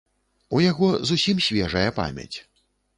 У яго зусім свежая памяць.